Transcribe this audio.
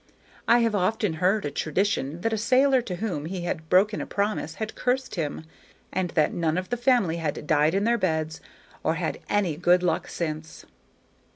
I have often heard a tradition that a sailor to whom he had broken a promise had cursed him, and that none of the family had died in their beds or had any good luck since.